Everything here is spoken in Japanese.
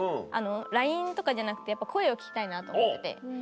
ＬＩＮＥとかじゃなくてやっぱ声を聞きたいなと思って。